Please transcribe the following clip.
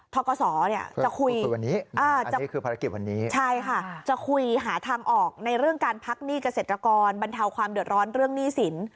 ท่อกสรจะคุยหาทางออกในเรื่องการพักหนี้เกษตรกรบรรเทาความเดือดร้อนเรื่องหนี้สิน